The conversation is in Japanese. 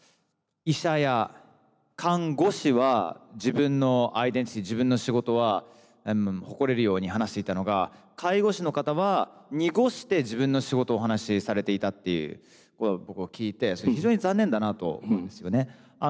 医者や看護師は自分のアイデンティティー自分の仕事は誇れるように話していたのが介護士の方は濁して自分の仕事をお話しされていたっていうこれ僕聞いて非常に残念だなと思うんですよね。